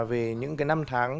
về những cái năm tháng